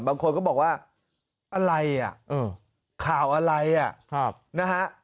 บางคนก็บอกว่าอะไรอ่ะข่าวอะไรอ่ะนะฮะ